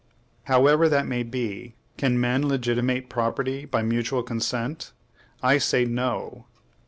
However that may be, can men legitimate property by mutual consent? I say, no.